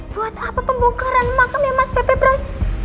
buat apa pembongkaran makam ya mas pepep roy